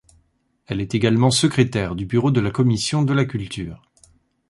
Elle est également secrétaire du bureau de la commission de la Culture.